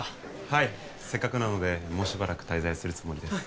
はいせっかくなのでもうしばらく滞在するつもりです